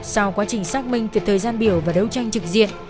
sau quá trình xác minh từ thời gian biểu và đấu tranh trực diện